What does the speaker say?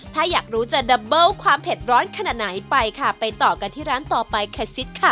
ถ้าอยากรู้จะดับเบิ้ลความเผ็ดร้อนขนาดไหนไปค่ะไปต่อกันที่ร้านต่อไปค่ะซิดค่ะ